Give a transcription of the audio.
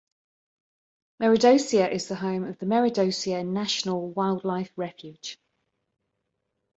Meredosia is the home of the Meredosia National Wildlife Refuge.